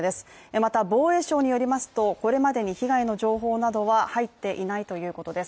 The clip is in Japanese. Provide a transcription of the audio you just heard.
また防衛省によりますとこれまでに被害の情報などは入っていないということです。